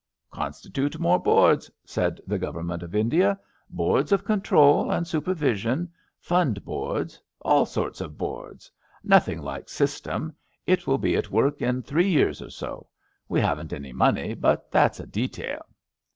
'Constitute more Boards, '* said the Govern ment of India. *^ Boards of Control and Super vision — ^Fund Boards — ^all sorts of Boards. Noth ing like system. It will be at work in three years or so. We haven ^t any money, but that's a de tail.''